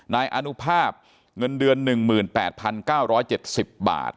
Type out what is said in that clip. นายอนุภาพเงินเดือน๑๘๙๗๐บาท